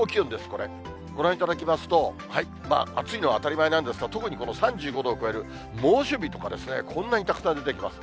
ご覧いただきますと、暑いのは当たり前なんですが、特にこの３５度を超える猛暑日という所がこんなにたくさん出てきます。